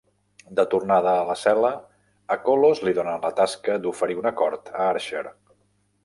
De tornada a la cel·la, a Kolos li donen la tasca d'oferir un acord a Archer.